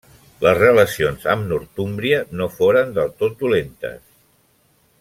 Les relacions amb Northúmbria no foren del tot dolentes.